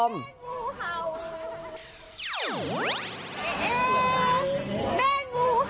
แม่งูเห่า